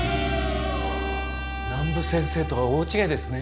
南武先生とは大違いですね。